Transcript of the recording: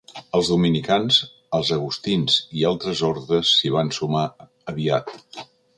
Els dominicans, els agustins i altres ordes s'hi van sumar aviat.